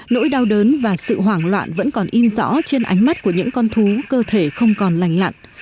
nỗi đau đớn và sự hoảng loạn vẫn còn in rõ trên ánh mắt của những con thú cơ thể không còn lành lặn